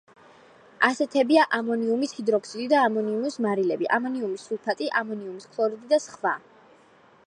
ასეთებია ამონიუმის ჰიდროქსიდი და ამონიუმის მარილები: ამონიუმის სულფატი, ამონიუმის ქლორიდი და სხვა.